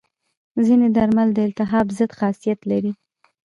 ځینې درمل د التهاب ضد خاصیت لري.